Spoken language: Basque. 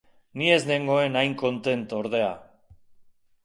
Ni ez nengoen hain kontent, ordea.